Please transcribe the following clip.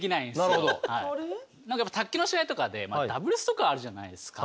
何かやっぱ卓球の試合とかでダブルスとかあるじゃないですか。